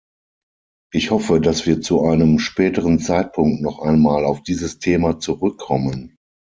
Ich hoffe, dass wir zu einem späteren Zeitpunkt noch einmal auf dieses Thema zurückkommen.